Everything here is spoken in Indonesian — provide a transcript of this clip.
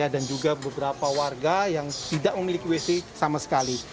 dan juga beberapa warga yang tidak memiliki wc sama sekali